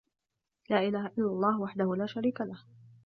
لا إله إلا الله وحده لا شريك له